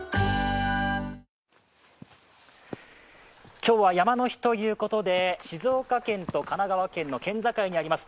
今日は山の日ということで静岡県と神奈川県の県境にあります